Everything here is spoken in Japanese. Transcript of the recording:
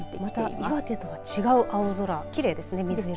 岩手とは違う青空きれいですね。